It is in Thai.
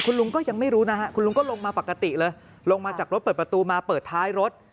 คุณลุงก็ยังไม่รู้นะฮะคุณลุงก็ลงมาปกติเลยลงมาจากรถเปิดประตูมาเปิดท้ายรถ